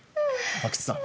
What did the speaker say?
阿久津さん。